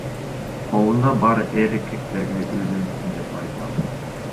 Колунда бар эркектерге үйлөнсүн деп айтам.